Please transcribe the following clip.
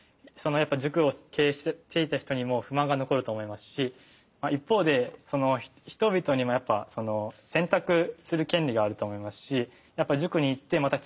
塾を経営していた人にも不満が残ると思いますし一方で人々にもやっぱ選択する権利があると思いますしやっぱ塾に行ってまた